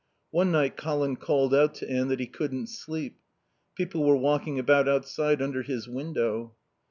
One night Colin called out to Anne that he couldn't sleep. People were walking about outside under his window.